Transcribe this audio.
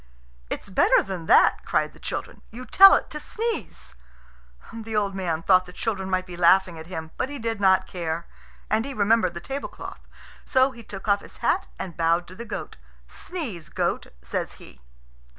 "It's better than that," cried the children. "You tell it to sneeze." The old man thought the children might be laughing at him, but he did not care, and he remembered the tablecloth. So he took off his hat and bowed to the goat. "Sneeze, goat," says he.